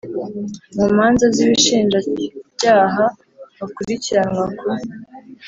Mu manza z inshinjabyaha bakurikiranwa ku